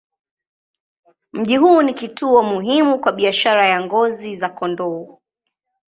Mji huu ni kituo muhimu kwa biashara ya ngozi za kondoo.